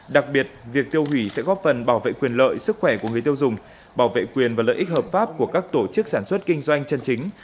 đặc biệt việc tiêu hủy sẽ góp phần bảo vệ quyền lợi sức khỏe của người tiêu dùng bảo vệ quyền và lợi ích hợp pháp của các tổ chức sản xuất kinh doanh chân chính